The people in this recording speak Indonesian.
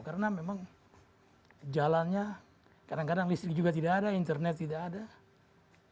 karena memang jalannya kadang kadang listrik juga tidak ada internet juga tidak ada